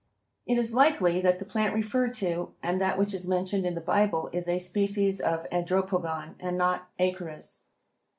It is likely that the plant referred to and that which is mentioned in the Bible is a species of Andropogon, and not Acorus.